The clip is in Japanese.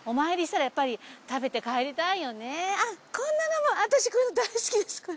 こんなのも私こういうの大好きです。